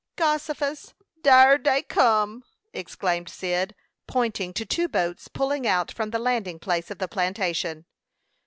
"Gossifus! Dar dey come!" exclaimed Cyd, pointing to two boats pulling out from the landing place of the plantation.